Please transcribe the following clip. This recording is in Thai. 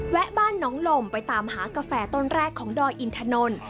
บ้านน้องลมไปตามหากาแฟต้นแรกของดอยอินทนนท์